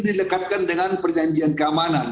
dilekatkan dengan perjanjian keamanan